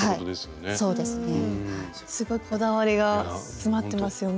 すごいこだわりが詰まってますよね。